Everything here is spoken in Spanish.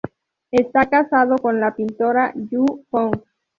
Está casado con la pintora Yu Hong.